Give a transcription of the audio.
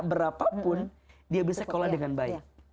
berapapun dia bisa kelola dengan baik